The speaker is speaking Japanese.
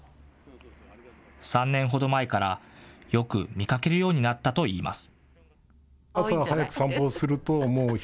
３年ほど前からよく見かけるようになったといいます。